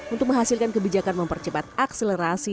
untuk menghasilkan kebijakan mempercepat akselerasi